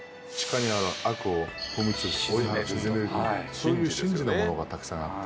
そういう神事のものがたくさんあって。